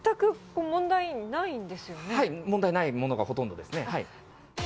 問題ないものがほとんどですね。